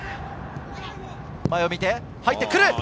前を見て入ってくる！